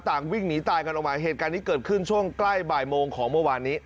วิ่งหนีตายกันออกมาเหตุการณ์นี้เกิดขึ้นช่วงใกล้บ่ายโมงของเมื่อวานนี้